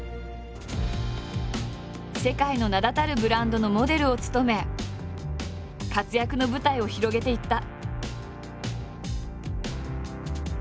世界の名だたるブランドのモデルを務め活躍の舞台を広げていった。